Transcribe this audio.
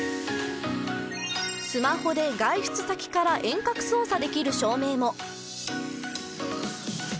スマホで外出先から遠隔操作できる照明も。